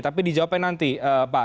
tapi dijawabkan nanti pak